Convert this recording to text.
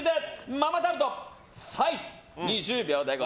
ママタルトでサイズ、２０秒。